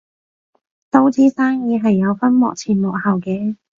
都知生意係有分幕前幕後嘅